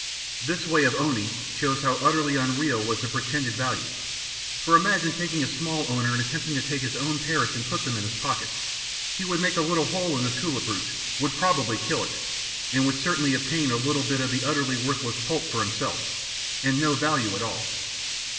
This way of owning shows how utterly unreal was the pretended value. For imagine a small owner attempting to take his own perits and put them in his pocket. He would make a little hole in the tulip root, would probably kill it, and would certainly obtain a little bit of utterly worthless pulp for himself, and no value at all.